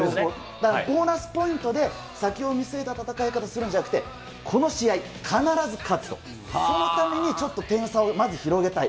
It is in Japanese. だから、ボーナスポイントで先を見据えた戦い方するんじゃなくて、この試合、必ず勝つと、そのためにまずちょっと点差をまず広げたい。